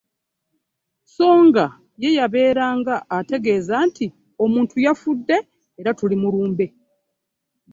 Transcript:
So nga ye yabeeranga ategeeza nti, omuntu yafudde era tuli mu lumbe.